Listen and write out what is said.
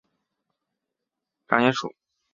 掌叶薯为薯蓣科薯蓣属下的一个种。